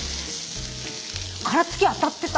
殻付き当たってた。